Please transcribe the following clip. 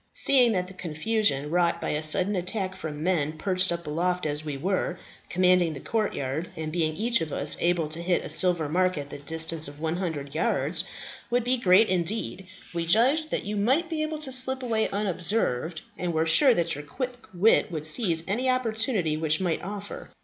Seeing that the confusion wrought by a sudden attack from men perched up aloft as we were, commanding the courtyard, and being each of us able to hit a silver mark at the distance of 100 yards, would be great indeed, we judged that you might be able to slip away unobserved, and were sure that your quick wit would seize any opportunity which might offer.